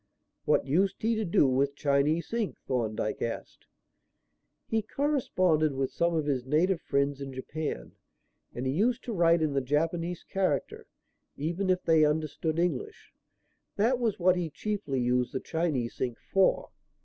"What used he to do with Chinese ink?" Thorndyke asked. "He corresponded with some of his native friends in Japan, and he used to write in the Japanese character even if they understood English. That was what he chiefly used the Chinese ink for.